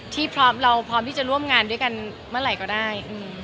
พร้อมเราพร้อมที่จะร่วมงานด้วยกันเมื่อไหร่ก็ได้